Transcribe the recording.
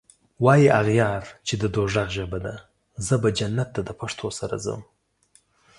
واي اغیار چی د دوږخ ژبه ده زه به جنت ته دپښتو سره ځم